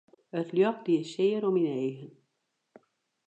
It ljocht die sear oan myn eagen.